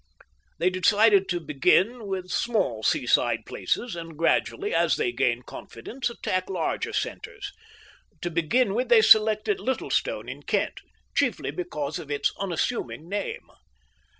They decided to begin with small seaside places, and gradually, as they gained confidence, attack larger centres. To begin with they selected Littlestone in Kent, chiefly because of its unassuming name.